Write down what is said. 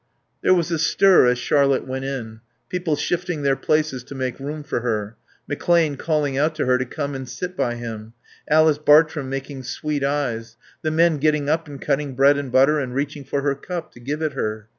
There was a stir as Charlotte went in; people shifting their places to make room for her; McClane calling out to her to come and sit by him; Alice Bartrum making sweet eyes; the men getting up and cutting bread and butter and reaching for her cup to give it her.